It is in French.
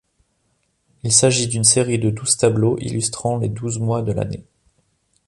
Il s'agit d'une série de douze tableaux illustrant les douze mois de l'année.